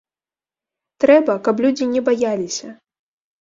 Трэба, каб людзі не баяліся.